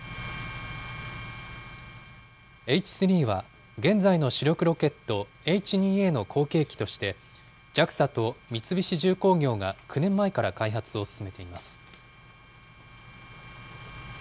Ｈ３は現在の主力ロケット、Ｈ２Ａの後継機として、ＪＡＸＡと三菱重工業が９年前から開発を進めています。